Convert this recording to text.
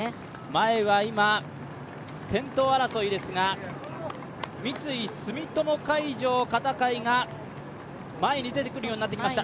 前は今、先頭争いですが、三井住友海上・片貝が前に出てくるようになってきました。